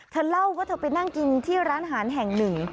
เธอเล่าว่าเธอไปนั่งกินที่ร้านอาหารแห่งหนึ่ง